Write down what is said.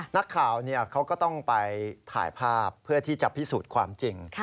นักข่าวเขาก็ต้องไปถ่ายภาพเพื่อที่จะพิสูจน์ความจริง